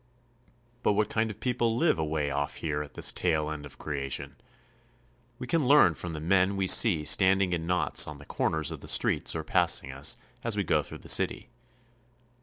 But what kind of people live away off here at this tail end of creation? We can learn from the men we see standing in knots on the corners of the streets or pass ing us as we go through the city.